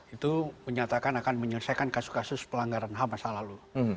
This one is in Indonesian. itu menyatakan akan menyelesaikan kasus kasus pelanggaran ham masa lalu